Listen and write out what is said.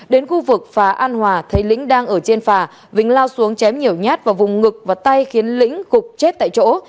đến khu vực phà an hòa thấy lĩnh đang ở trên phà vĩnh lao xuống chém nhiều nhát vào vùng ngực và tay khiến lĩnh gục chết tại chỗ